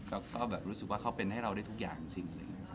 ก็แบบรู้สึกว่าเขาเป็นให้เราได้ทุกอย่างจริง